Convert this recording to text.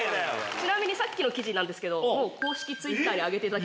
ちなみにさっきの記事なんですけど。